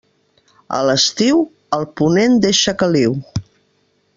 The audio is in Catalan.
A l'estiu, el ponent deixa caliu.